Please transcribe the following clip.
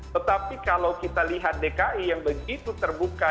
tetapi kalau kita lihat dki yang begitu terbuka